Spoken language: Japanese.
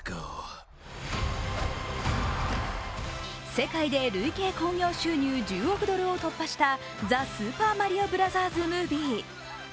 世界で累計興行収入１０億ドルを突破した「ザ・スーパーマリオブラザーズ・ムービー」